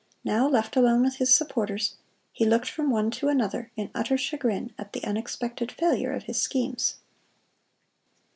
Now, left alone with his supporters, he looked from one to another in utter chagrin at the unexpected failure of his schemes.